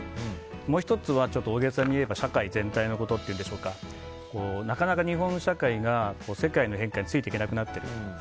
もう１つは、大げさに言えば社会全体のことと言うんでしょうかなかなか日本社会が世界の変化についていけなくなってる。